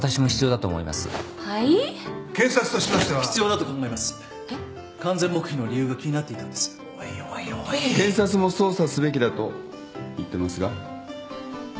検察も捜査すべきだと言ってますが。